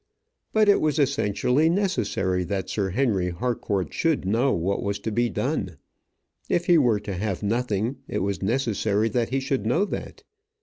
But it was essentially necessary that Sir Henry Harcourt should know what was to be done. If he were to have nothing, it was necessary that he should know that.